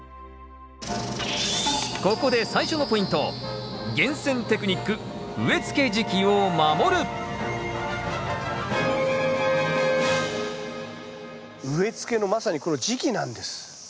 ここで最初のポイント植え付けのまさにこの時期なんです。